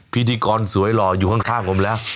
พิธีกรสวยหล่ออยู่ข้างผมแล้ว